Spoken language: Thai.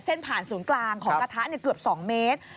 ผ่านศูนย์กลางของกระทะเกือบ๒เมตร